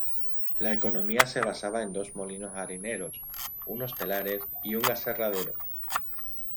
La economía se basaba en dos molinos harineros, unos telares y un aserradero.